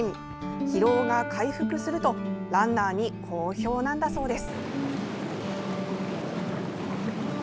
疲労が回復するとランナーに好評なんだそうです。